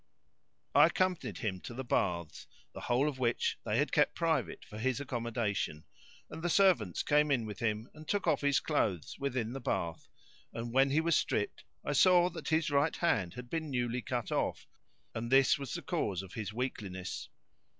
[FN#574] I accompanied him to the baths, the whole of which they had kept private for his accommodation; and the servants came in with him and took off his clothes within the bath, and when he was stripped I saw that his right hand had been newly cut off, and this was the cause of his weakliness.